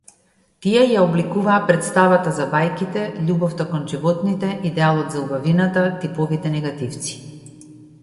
Тие ја обликуваа претставата за бајките, љубовта кон животните, идеалот за убавината, типовите негативци.